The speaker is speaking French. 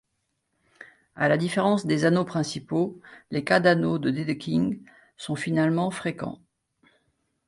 À la différence des anneaux principaux, les cas d'anneaux de Dedekind sont finalement fréquents.